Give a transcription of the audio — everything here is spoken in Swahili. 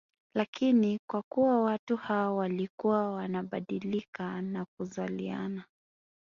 Lakini kwa kuwa watu hao walikuwa wanabadilika na kuzaliana